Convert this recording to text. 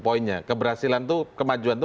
poinnya keberhasilan itu kemajuan itu